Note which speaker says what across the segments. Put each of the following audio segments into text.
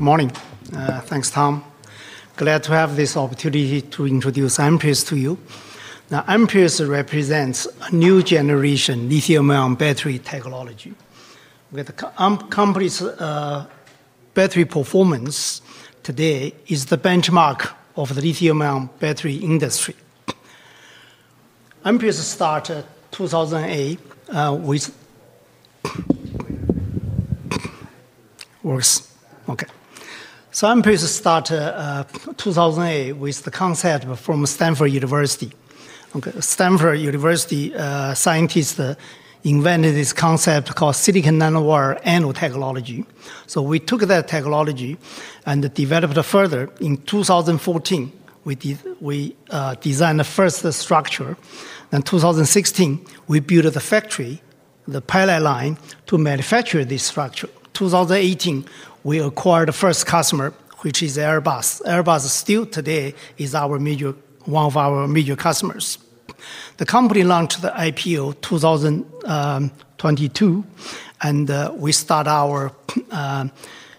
Speaker 1: Good morning. Thanks, Tom. Glad to have this opportunity to introduce Amprius to you. Now, Amprius represents a new generation lithium-ion battery technology. With the company's battery performance today, it is the benchmark of the lithium-ion battery industry. Amprius started 2008 with.
Speaker 2: Works.
Speaker 1: Works. Okay. So Amprius started 2008 with the concept from Stanford University. Stanford University scientists invented this concept called silicon nanowire nanotechnology. So we took that technology and developed it further. In 2014, we designed the first structure. In 2016, we built the factory, the pilot line, to manufacture this structure. In 2018, we acquired the first customer, which is Airbus. Airbus still today is one of our major customers. The company launched the IPO in 2022, and we started our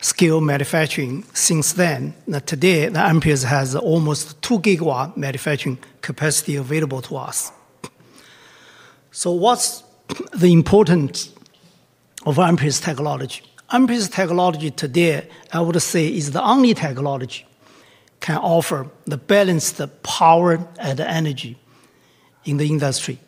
Speaker 1: scale manufacturing since then. Today, Amprius has almost 2 gigawatts of manufacturing capacity available to us. So what's the importance of Amprius technology? Amprius technology today, I would say, is the only technology that can offer the balance of power and energy in the industry.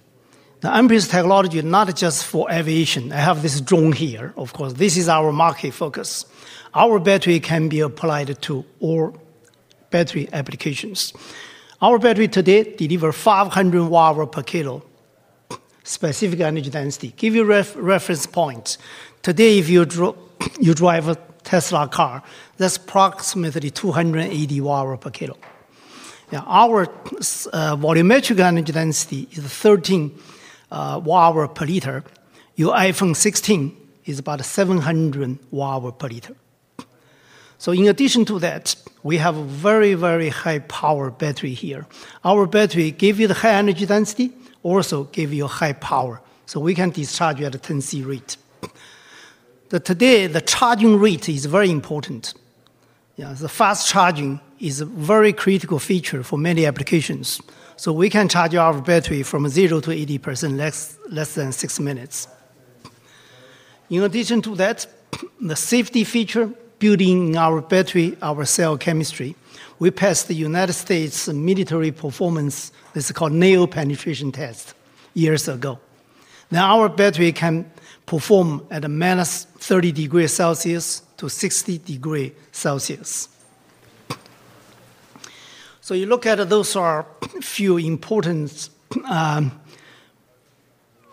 Speaker 1: The Amprius technology is not just for aviation. I have this drone here, of course. This is our market focus. Our battery can be applied to all battery applications. Our battery today delivers 500 watt-hours per kilo specific energy density. Give you a reference point. Today, if you drive a Tesla car, that's approximately 280 watt-hours per kilo. Our volumetric energy density is 13 watt-hours per liter. Your iPhone 16 is about 700 watt-hours per liter. So in addition to that, we have a very, very high-power battery here. Our battery gives you the high energy density, also gives you high power. So we can discharge at a 10C rate. Today, the charging rate is very important. The fast charging is a very critical feature for many applications. So we can charge our battery from 0 to 80% in less than six minutes. In addition to that, the safety feature building in our battery, our cell chemistry, we passed the United States military performance. This is called nail penetration test years ago. Now, our battery can perform at a minus 30 degrees Celsius to 60 degrees Celsius. So you look at those are a few important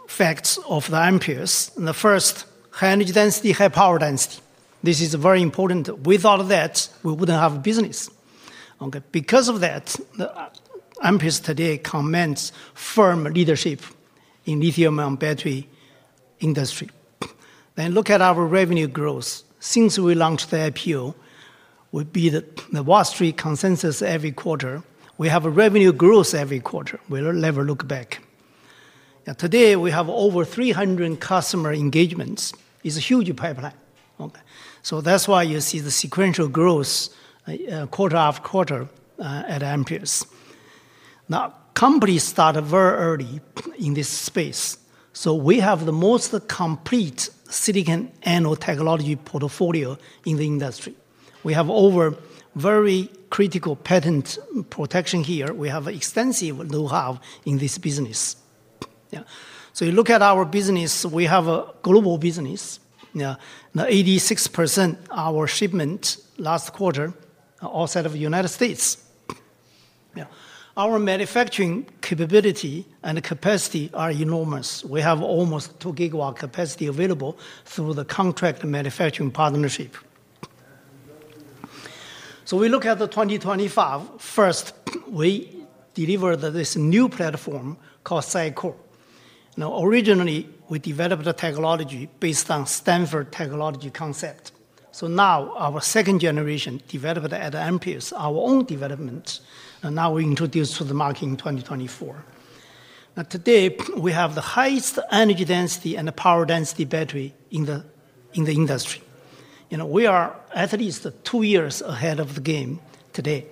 Speaker 1: facts of the Amprius. The first, high energy density, high power density. This is very important. Without that, we wouldn't have a business. Because of that, Amprius today commands firm leadership in the lithium-ion battery industry. Then look at our revenue growth. Since we launched the IPO, we beat Wall Street consensus every quarter. We have revenue growth every quarter. We'll never look back. Today, we have over 300 customer engagements. It's a huge pipeline. So that's why you see the sequential growth quarter after quarter at Amprius. Now, companies start very early in this space. So we have the most complete silicon nanotechnology portfolio in the industry. We have over very critical patent protection here. We have extensive know-how in this business. So you look at our business, we have a global business. 86% of our shipment last quarter outside of the United States. Our manufacturing capability and capacity are enormous. We have almost 2 GW capacity available through the contract manufacturing partnership. So we look at 2025. First, we delivered this new platform called SiCore. Originally, we developed a technology based on Stanford technology concept. So now, our second generation developed at Amprius, our own development. Now we introduced to the market in 2024. Today, we have the highest energy density and power density battery in the industry. We are at least two years ahead of the game today.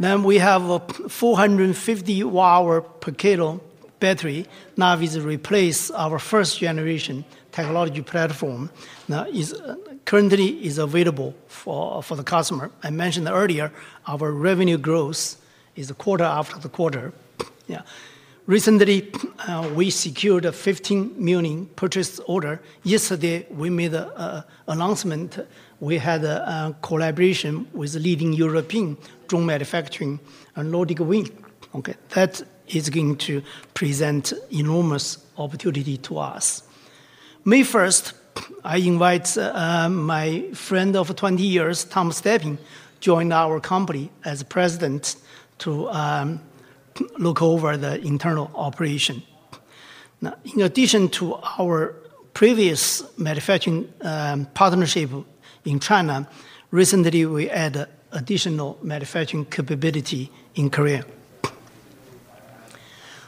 Speaker 1: Then we have a 450 Wh/kg battery. Now, we replaced our first generation technology platform. Currently, it is available for the customer. I mentioned earlier, our revenue growth is quarter after quarter. Recently, we secured 15 million purchase orders. Yesterday, we made an announcement. We had a collaboration with leading European drone manufacturer, Nordic Wing. That is going to present enormous opportunity to us. May 1st, I invite my friend of 20 years, Tom Stepien, to join our company as president to look over the internal operation. In addition to our previous manufacturing partnership in China, recently, we added additional manufacturing capability in Korea.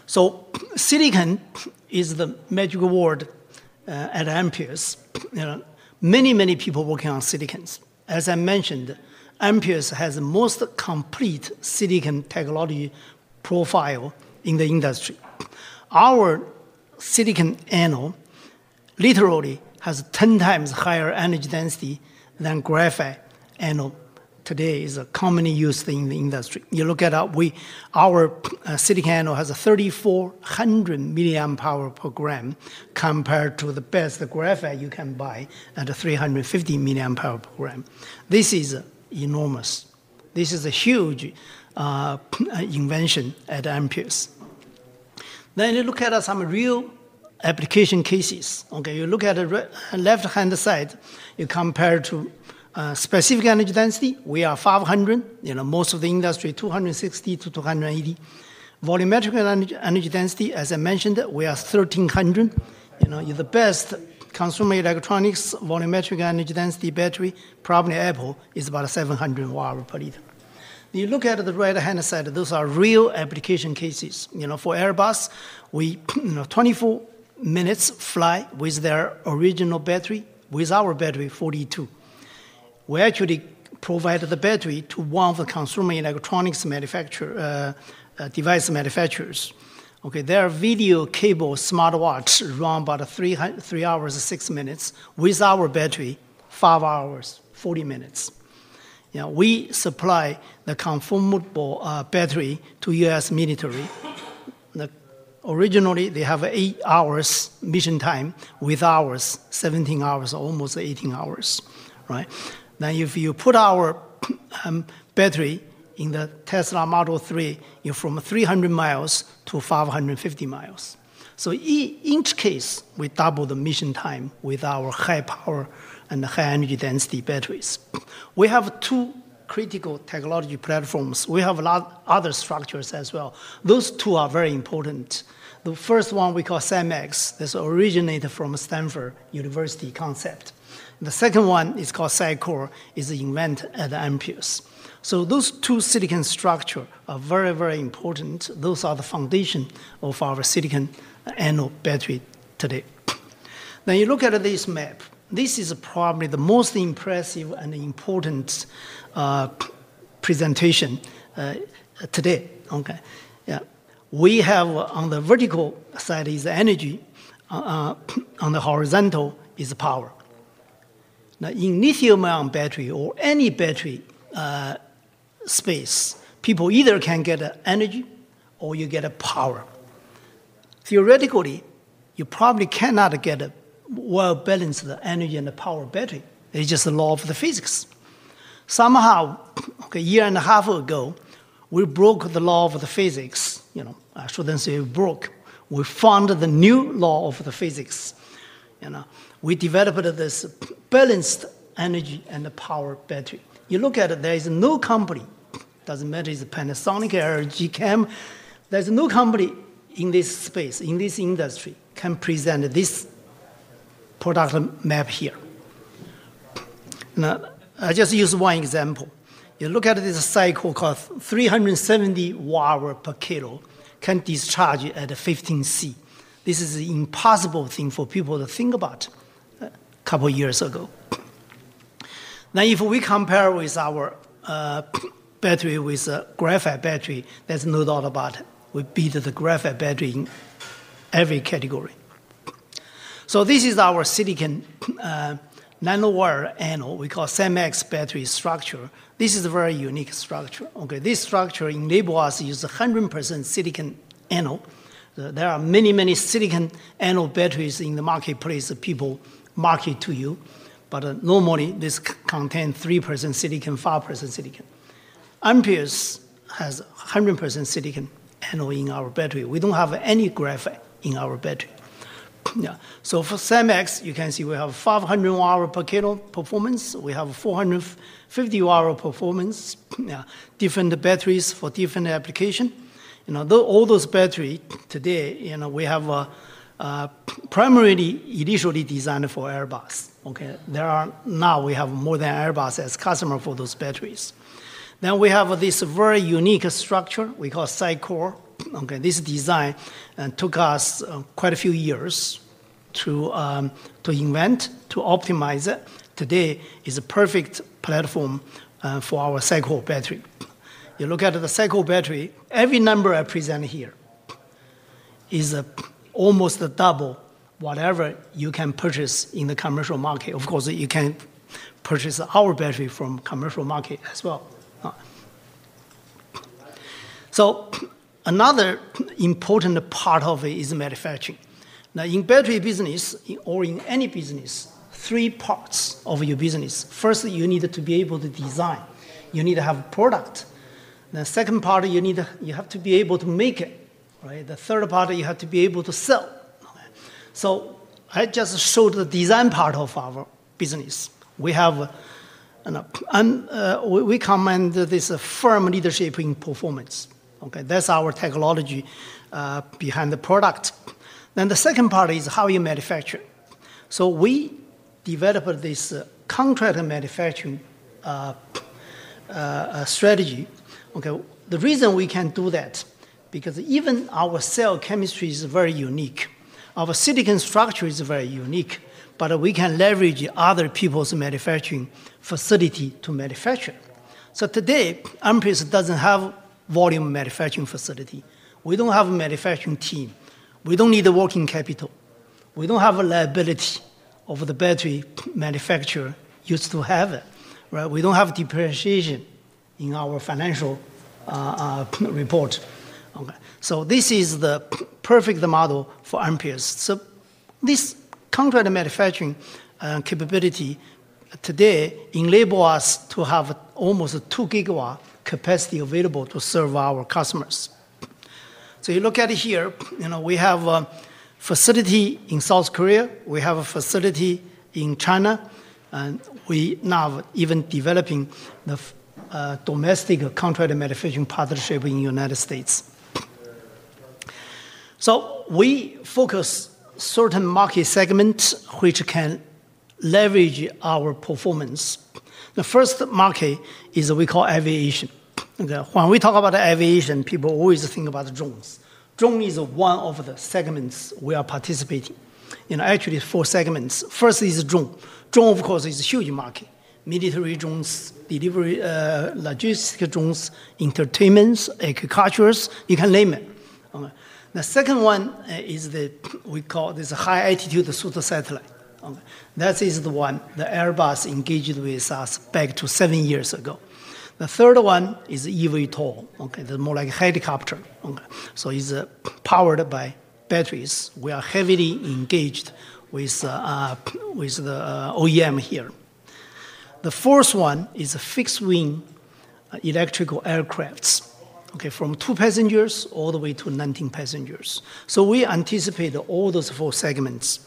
Speaker 1: So silicon is the magic word at Amprius. Many, many people working on silicons. As I mentioned, Amprius has the most complete silicon technology profile in the industry. Our silicon anode literally has 10 times higher energy density than graphite anode today is commonly used in the industry. You look at our silicon anode has 3,400 milliamp-hours per gram compared to the best graphite you can buy at 350 milliamp-hours per gram. This is enormous. This is a huge invention at Amprius. Then you look at some real application cases. You look at the left-hand side, you compare to specific energy density. We are 500. Most of the industry, 260-280. Volumetric energy density, as I mentioned, we are 1,300. The best consumer electronics volumetric energy density battery, probably Apple, is about 700 watt-hours per liter. You look at the right-hand side, those are real application cases. For Airbus, we 24 minutes fly with their original battery, with our battery 42. We actually provided the battery to one of the consumer electronics device manufacturers. Their Apple Watch run about 3 hours, 6 minutes. With our battery, 5 hours, 40 minutes. We supply the conformable battery to U.S. military. Originally, they have eight hours mission time with ours, 17 hours, almost 18 hours. Then if you put our battery in the Tesla Model 3, you're from 300 miles to 550 miles. So each case, we double the mission time with our high power and high energy density batteries. We have two critical technology platforms. We have a lot of other structures as well. Those two are very important. The first one we call SiMaxx. This originated from Stanford University concept. The second one is called SiCore, is invented at Amprius. So those two silicon structures are very, very important. Those are the foundation of our silicon anode battery today. Then you look at this map. This is probably the most impressive and important presentation today. We have on the vertical side is energy, on the horizontal is power. In lithium-ion battery or any battery space, people either can get energy or you get power. Theoretically, you probably cannot get a well-balanced energy and power battery. It's just the law of the physics. Somehow, a year and a half ago, we broke the law of the physics. I shouldn't say broke. We found the new law of the physics. We developed this balanced energy and power battery. You look at it, there is no company, doesn't matter if it's Panasonic or LG Chem. There's no company in this space, in this industry can present this product map here. I just use one example. You look at this cell called 370 watt-hours per kilo can discharge at 15C. This is an impossible thing for people to think about a couple of years ago. Now, if we compare with our battery with graphite battery, there's no doubt about it. We beat the graphite battery in every category. So this is our silicon nanowire anode. We call SiMaxx battery structure. This is a very unique structure. This structure enables us to use 100% silicon anode. There are many, many silicon anode batteries in the marketplace that people market to you. But normally, this contains 3% silicon, 5% silicon. Amprius has 100% silicon anode in our battery. We don't have any graphite in our battery. So for SiMaxx, you can see we have 500 watt-hours per kilo performance. We have 450 watt-hours performance, different batteries for different application. All those batteries today, we have primarily initially designed for Airbus. Now, we have more than Airbus as customer for those batteries. Then we have this very unique structure we call SiCore. This design took us quite a few years to invent, to optimize it. Today, it's a perfect platform for our SiCore battery. You look at the SiCore battery, every number I present here is almost double whatever you can purchase in the commercial market. Of course, you can purchase our battery from the commercial market as well. So another important part of it is manufacturing. In battery business or in any business, three parts of your business. First, you need to be able to design. You need to have a product. The second part, you have to be able to make it. The third part, you have to be able to sell. So I just showed the design part of our business. We command this firm leadership in performance. That's our technology behind the product. Then the second part is how you manufacture. So we developed this contract manufacturing strategy. The reason we can do that is because even our cell chemistry is very unique. Our silicon structure is very unique, but we can leverage other people's manufacturing facility to manufacture. So today, Amprius doesn't have a volume manufacturing facility. We don't have a manufacturing team. We don't need a working capital. We don't have a liability of the battery manufacturer used to have it. We don't have depreciation in our financial report. So this is the perfect model for Amprius. So this contract manufacturing capability today enables us to have almost two gigawatts capacity available to serve our customers. So you look at it here. We have a facility in South Korea. We have a facility in China. We now are even developing the domestic contract manufacturing partnership in the United States. So we focus on certain market segments which can leverage our performance. The first market is we call aviation. When we talk about aviation, people always think about drones. Drone is one of the segments we are participating in. Actually, four segments. First is drone. Drone, of course, is a huge market. Military drones, logistic drones, entertainment, agriculture, you can name it. The second one is we call this high-altitude pseudo-satellite. That is the one that Airbus engaged with us back to seven years ago. The third one is eVTOL. It's more like a helicopter, so it's powered by batteries. We are heavily engaged with the OEM here. The fourth one is fixed-wing electric aircraft from two passengers all the way to 19 passengers, so we anticipate all those four segments.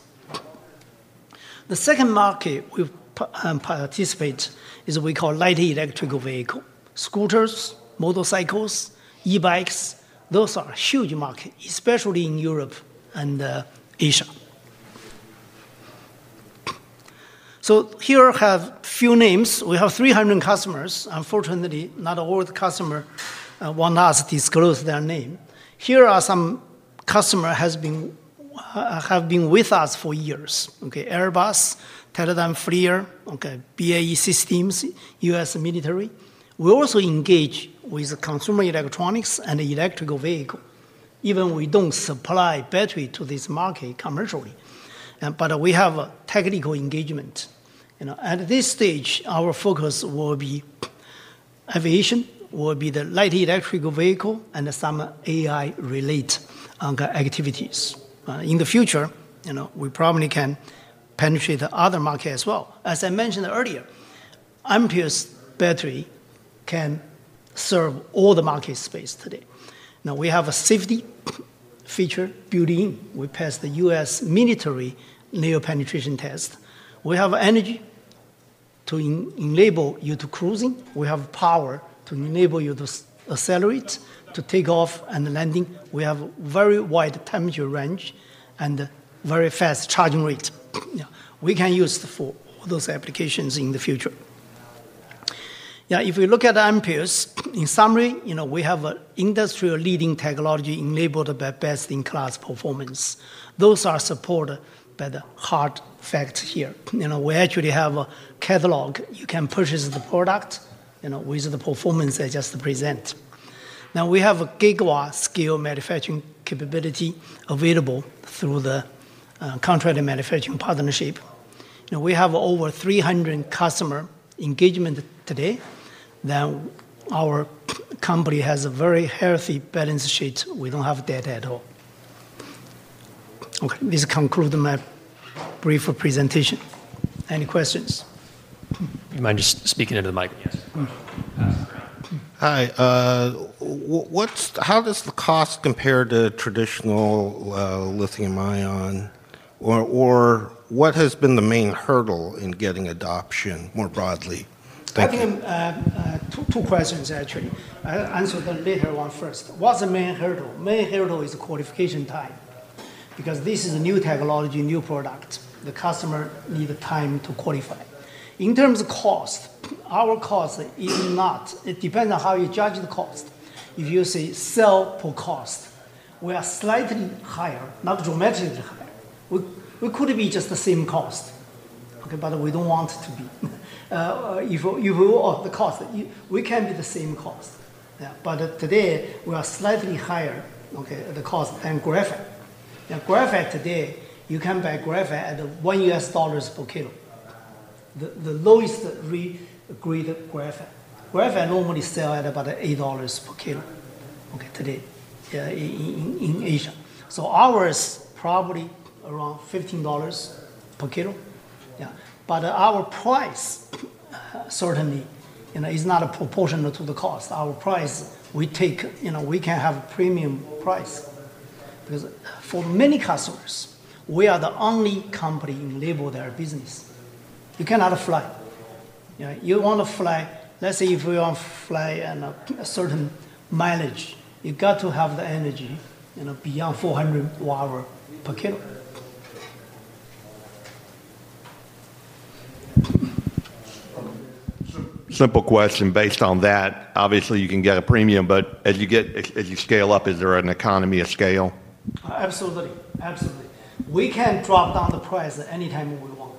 Speaker 1: The second market we participate in is we call light electric vehicles, scooters, motorcycles, e-bikes. Those are a huge market, especially in Europe and Asia. Here I have a few names. We have 300 customers. Unfortunately, not all the customers want us to disclose their name. Here are some customers who have been with us for years. Airbus, Teledyne FLIR, BAE Systems, U.S. military. We also engage with consumer electronics and electrical vehicles. Even we don't supply battery to this market commercially, but we have technical engagement. At this stage, our focus will be aviation, will be the light electrical vehicle, and some AI-related activities. In the future, we probably can penetrate the other market as well. As I mentioned earlier, Amprius battery can serve all the market space today. We have a safety feature built in. We passed the U.S. military nail penetration test. We have energy to enable you to cruising. We have power to enable you to accelerate, to take off and landing. We have a very wide temperature range and very fast charging rate. We can use it for all those applications in the future. If we look at Amprius, in summary, we have an industry-leading technology enabled by best-in-class performance. Those are supported by the hard facts here. We actually have a catalog. You can purchase the product with the performance I just presented. Now, we have a gigawatt scale manufacturing capability available through the contract manufacturing partnership. We have over 300 customer engagement today. Then our company has a very healthy balance sheet. We don't have debt at all. This concludes my brief presentation. Any questions?
Speaker 2: You mind just speaking into the mic? Yes.Hi. How does the cost compare to traditional lithium-ion? Or what has been the main hurdle in getting adoption more broadly?
Speaker 1: I think two questions, actually. I'll answer the later one first. What's the main hurdle? Main hurdle is the qualification time. Because this is a new technology, new product, the customer needs time to qualify. In terms of cost, our cost is not it depends on how you judge the cost. If you say sell per cost, we are slightly higher, not dramatically higher. We could be just the same cost, but we don't want it to be. The cost, we can be the same cost. But today, we are slightly higher at the cost than graphite. Graphite today, you can buy graphite at $1 per kilo. The lowest grade graphite. Graphite normally sells at about $8 per kilo today in Asia. So ours is probably around $15 per kilo. But our price certainly is not proportional to the cost. Our price, we can have a premium price. Because for many customers, we are the only company enabling their business. You cannot fly. You want to fly, let's say if you want to fly a certain mileage, you got to have the energy beyond 400 watt-hours per kilo. Simple question. Based on that, obviously, you can get a premium. But as you scale up, is there an economy of scale? Absolutely. Absolutely. We can drop down the price anytime we want.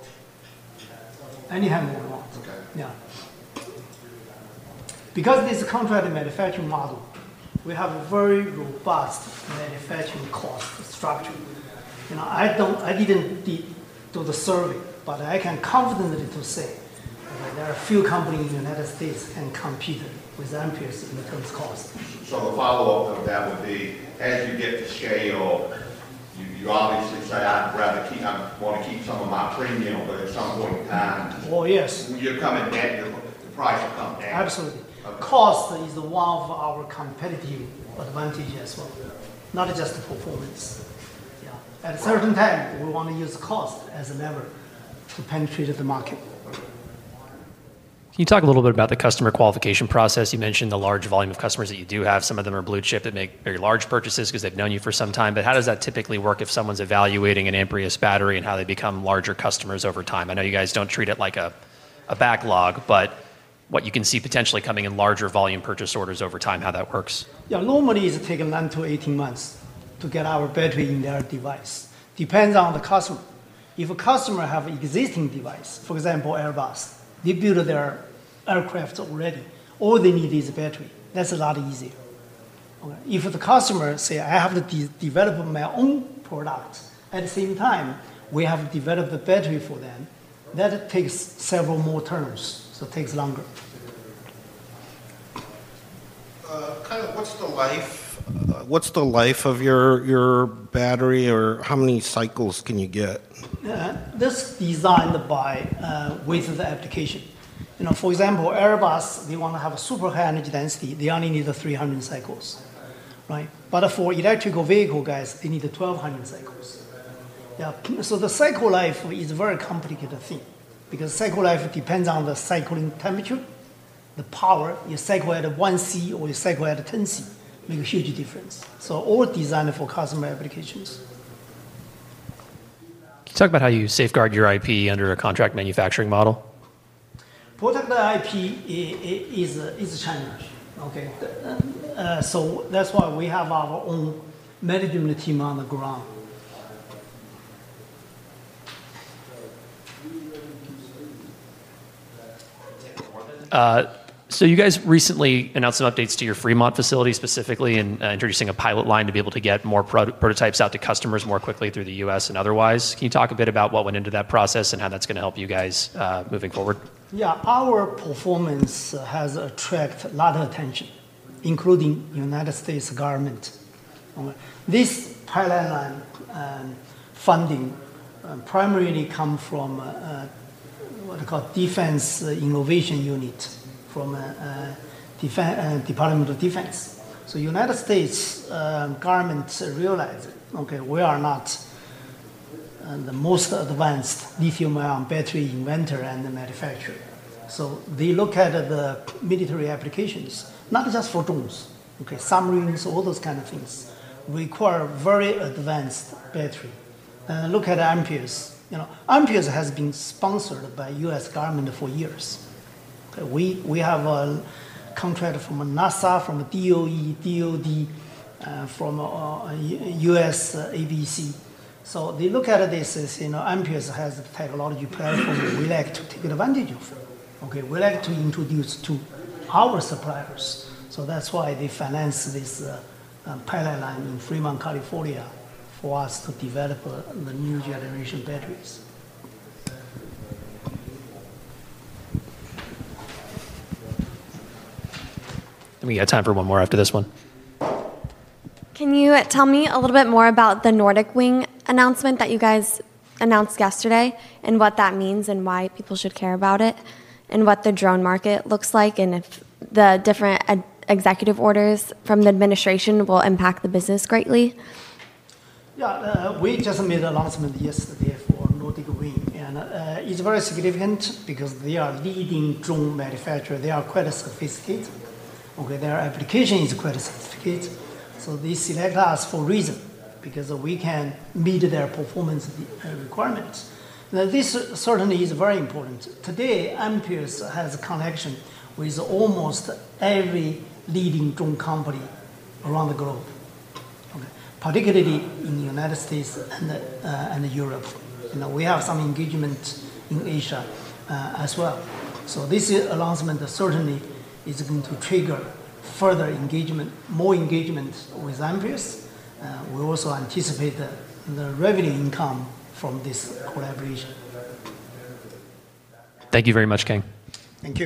Speaker 1: Anytime we want. Because it's a contract manufacturing model, we have a very robust manufacturing cost structure. I didn't do the survey, but I can confidently say there are a few companies in the United States that can compete with Amprius in terms of cost. So the follow-up of that would be, as you get the scale, you obviously say, "I want to keep some of my premium, but at some point in time, you're coming down, the price will come down." Absolutely. Cost is one of our competitive advantages as well, not just the performance. At a certain time, we want to use cost as a lever to penetrate the market. Can you talk a little bit about the customer qualification process? You mentioned the large volume of customers that you do have. Some of them are blue chip that make very large purchases because they've known you for some time. But how does that typically work if someone's evaluating an Amprius battery and how they become larger customers over time? I know you guys don't treat it like a backlog, but what you can see potentially coming in larger volume purchase orders over time, how that works? Yeah. Normally, it takes 10 to 18 months to get our battery in their device. Depends on the customer. If a customer has an existing device, for example, Airbus, they built their aircraft already. All they need is a battery. That's a lot easier. If the customer says, "I have to develop my own product," at the same time, we have developed the battery for them, that takes several more turns. So it takes longer. Kind of what's the life of your battery or how many cycles can you get? That's designed with the application. For example, Airbus, they want to have a super high energy density. They only need 300 cycles. But for electric vehicle guys, they need 1,200 cycles. So the cycle life is a very complicated thing because cycle life depends on the cycling temperature, the power. You cycle at 1C or you cycle at 10C, makes a huge difference. So all designed for customer applications. Can you talk about how you safeguard your IP under a contract manufacturing model? Protect the IP is a challenge. So that's why we have our own management team on the ground. So you guys recently announced some updates to your Fremont facility specifically and introducing a pilot line to be able to get more prototypes out to customers more quickly through the U.S. and otherwise. Can you talk a bit about what went into that process and how that's going to help you guys moving forward? Yeah. Our performance has attracted a lot of attention, including the United States government. This pilot line funding primarily comes from what we call Defense Innovation Unit from the Department of Defense. So the United States government realized we are not the most advanced lithium-ion battery inventor and manufacturer. So they look at the military applications, not just for drones, submarines, all those kinds of things. We require very advanced battery. Look at Amprius. Amprius has been sponsored by the U.S. government for years. We have a contract from NASA, from DOE, DoD, from USABC. So they look at this as Amprius has a technology platform we like to take advantage of. We like to introduce to our suppliers. So that's why they financed this pilot line in Fremont, California for us to develop the new generation batteries.
Speaker 2: We got time for one more after this one. Can you tell me a little bit more about the Nordic Wing announcement that you guys announced yesterday and what that means and why people should care about it and what the drone market looks like and if the different executive orders from the administration will impact the business greatly?
Speaker 1: Yeah. We just made an announcement yesterday for Nordic Wing, and it's very significant because they are leading drone manufacturers. They are quite sophisticated. Their application is quite sophisticated. So they select us for a reason because we can meet their performance requirements. This certainly is very important. Today, Amprius has a connection with almost every leading drone company around the globe, particularly in the United States and Europe. We have some engagement in Asia as well. So this announcement certainly is going to trigger further engagement, more engagement with Amprius. We also anticipate the revenue income from this collaboration.
Speaker 2: Thank you very much, Kang.
Speaker 1: Thank you.